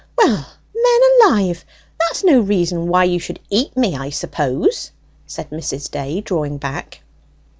"Well, men alive! that's no reason why you should eat me, I suppose!" said Mrs. Day, drawing back.